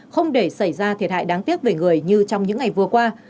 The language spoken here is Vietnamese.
không để xảy ra thiệt hại đáng tiếc về người như trong những ngày vừa qua